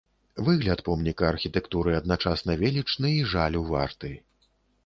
Выгляд помніка архітэктуры адначасна велічны і жалю варты.